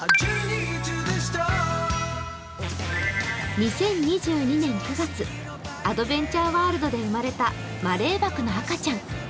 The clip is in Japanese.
２０２２年９月、アドベンチャーワールドで生まれたマレーバクの赤ちゃん。